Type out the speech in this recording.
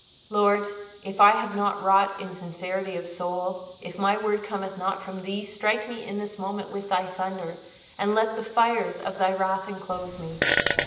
"Lord, if I have not wrought in sincerity of soul, if my word cometh not from Thee, strike me in this moment with Thy thunder, and let the fires of Thy wrath enclose me."